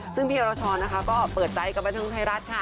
ซึ่งพี่อรชรนะคะก็เปิดใจกับบันเทิงไทยรัฐค่ะ